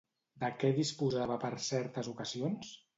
De què disposava per certes ocasions?